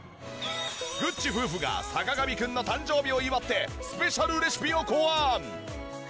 ぐっち夫婦が坂上くんの誕生日を祝ってスペシャルレシピを考案！